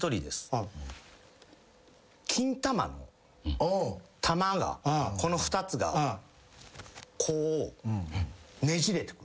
金玉の玉がこの２つがこうねじれてくんですって。